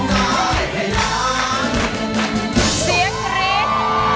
เสียกริ๊ด